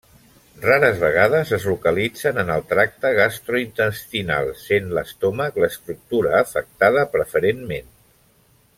Rares vegades es localitzen en el tracte gastrointestinal, sent l'estómac l'estructura afectada preferentment.